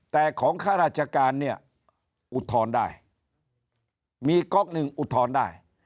แต่ของข้าราชการเนี่ยอุทธรณ์ได้มีก๊อกหนึ่งอุทธรณ์ได้